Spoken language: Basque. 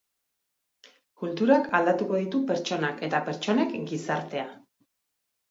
Kulturak aldatuko ditu pertsonak eta pertsonek gizartea.